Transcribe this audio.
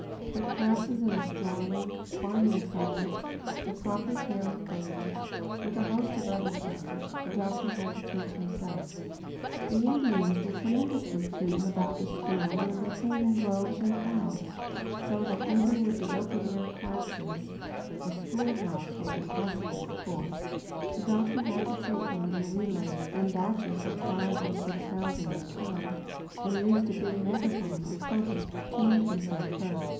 But the classes in astronomy, farming science, the proper care of babies, with a host of other subjects, the Doctor had to teach himself. The Indians were tremendously keen about the schooling and they came in droves and crowds; so that even with the open air classes (a school house was impossible of course) the Doctor had to take them in relays and batches of five or six thousand at a time and used a big megaphone or trumpet to make himself heard.